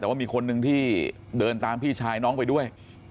แต่ว่ามีคนหนึ่งที่เดินตามพี่ชายน้องไปด้วย